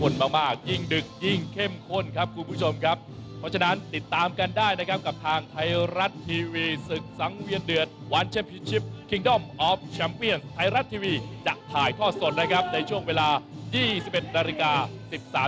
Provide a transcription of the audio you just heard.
สดนะครับในช่วงเวลา๒๑นาฬิกา๑๓นาที